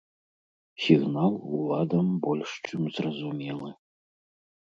Сігнал уладам больш чым зразумелы.